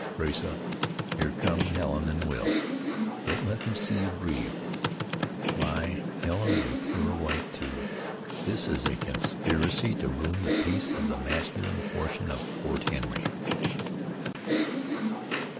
"Brace up. Here come Helen and Will. Don't let them see you grieved. My! Helen in pure white, too! This is a conspiracy to ruin the peace of the masculine portion of Fort Henry."